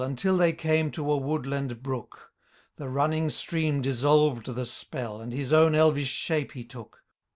Until thej came to a woodland brook ; The running stream dissolved the spell,' And his own elvish shape he took.